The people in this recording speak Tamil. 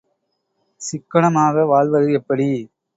சிக்கனமாக வாழ்வது எப்படி?